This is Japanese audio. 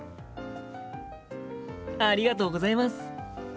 ありがとうございます！